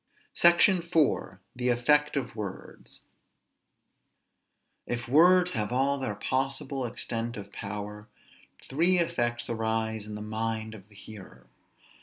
SECTION IV. THE EFFECT OF WORDS. If words have all their possible extent of power, three effects arise in the mind of the hearer.